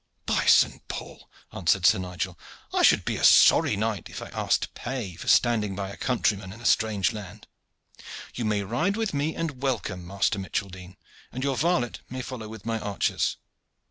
"By Saint Paul!" answered Sir Nigel, "I should be a sorry knight if I ask pay for standing by a countryman in a strange land. You may ride with me and welcome, Master Micheldene, and your varlet may follow with my archers."